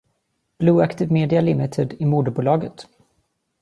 Blue Active Media Limited är moderbolaget.